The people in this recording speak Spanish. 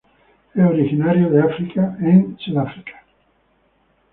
Es originario de África en Sudáfrica.